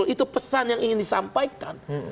itu pesan yang ingin disampaikan